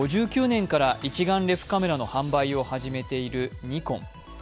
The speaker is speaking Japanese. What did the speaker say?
１９５９年から一眼レフカメラの販売を始めているニコン。